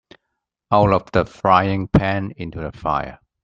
Out of the frying-pan into the fire.